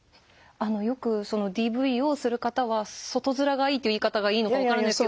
よくＤＶをする方は外面がいいという言い方がいいのか分からないんですけど。